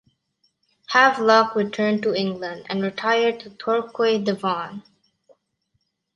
Havelock returned to England, and retired to Torquay, Devon.